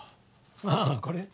ああこれ？